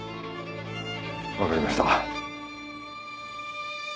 わかりました。